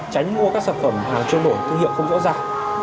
tránh mua các sản phẩm hàng trơn đổi thương hiệu không rõ ràng